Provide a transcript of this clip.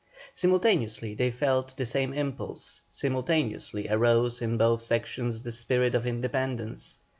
Simultaneously they felt the same impulse, simultaneously arose in both sections the spirit of independence.